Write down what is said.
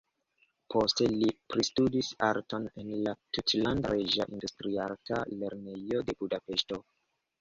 Poste li pristudis arton en la Tutlanda Reĝa Industriarta Lernejo de Budapeŝto.